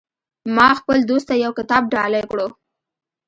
ما خپل دوست ته یو کتاب ډالۍ کړو